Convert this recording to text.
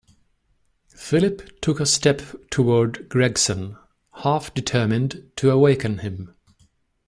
Philip took a step toward Gregson, half determined to awaken him.